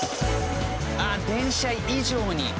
あっ電車異常に。